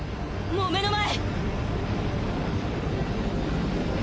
もう目の前！